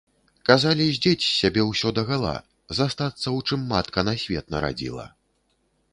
Казалі здзець з сябе ўсё дагала, застацца у чым матка на свет нарадзіла.